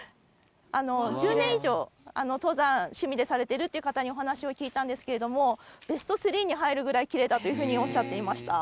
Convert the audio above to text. １０年以上、登山、趣味でされているという方にお話を聞いたんですけれども、ベスト３に入るぐらいきれいだというふうにおっしゃっていました。